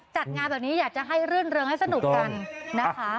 จัดงานแบบนี้อยากจะให้รื่นเริงให้สนุกกันนะคะ